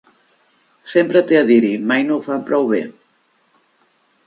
Sempre té a dir-hi, mai no ho fan prou bé!